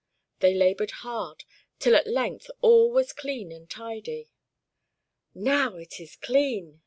They labored hard, till at length all was clean and tidy. "Now it is clean!"